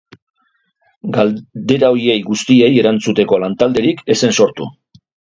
Galdera horiei guztiei erantzuteko lantalderik ez zen sortu.